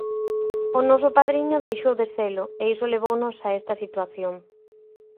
O noso padriño deixou de selo e iso levounos a esta situación.